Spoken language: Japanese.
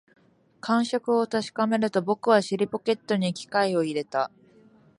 感触を確かめると、僕は尻ポケットに機械を入れた